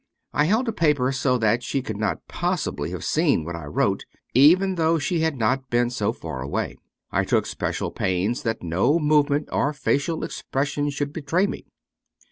I held a paper so that she could not possibly have seen what I wrote, even though she had not been so far away. I took special pains that no move ment or facial expression should betray me.